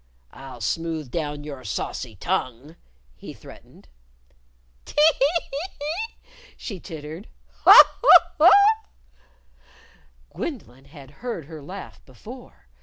"I'll smooth down your saucy tongue," he threatened. "Tee! hee! hee! hee!" she tittered. "Ha! ha! ha!" Gwendolyn had heard her laugh before.